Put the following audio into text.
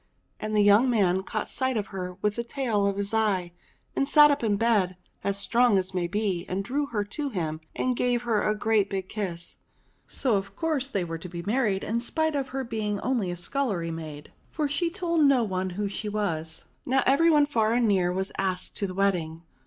And the young man caught sight of her with the tail of his eye, and sate up in bed as strong as may be, and drew her to him and gave her a great big kiss. So, of course, they were to be married in spite of her being only a scullery maid, for she told no one who she was. Now every one far and near was asked to the wedding.